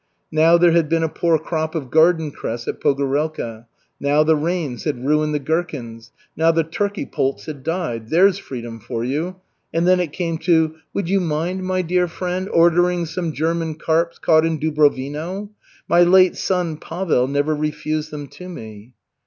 Now there had been a poor crop of garden cress at Pogorelka, now the rains had ruined the gherkins, now the turkey poults had died there's freedom for you! And then it came to: "Would you mind, my dear friend, ordering some German carps caught in Dubrovino? My late son Pavel never refused them to me."